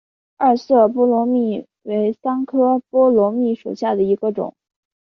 二色波罗蜜为桑科波罗蜜属下的一个种。